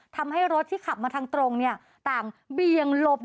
ทำให้รถที่ขับมาทางตรงเนี่ยต่างเบียงลบนะคะ